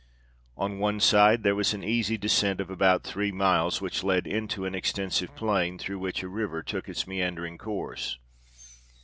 On one side there was an easy descent of about three miles, which led into an extensive plain, through which a river took its meandering course.